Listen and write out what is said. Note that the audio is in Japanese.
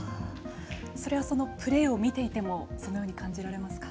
それはプレーを見ていてもそのように感じられますか。